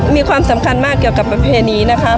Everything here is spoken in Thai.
มีความสำคัญมากเกี่ยวกับประเพณีนะคะ